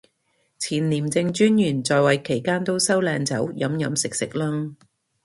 前廉政專員在位期間都收靚酒飲飲食食啦